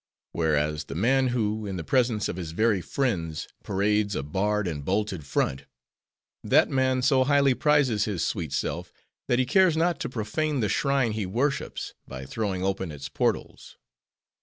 Whereas, the man who, in the presence of his very friends, parades a barred and bolted front,—that man so highly prizes his sweet self, that he cares not to profane the shrine he worships, by throwing open its portals.